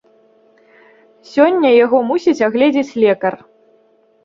Сёння яго мусіць агледзець лекар.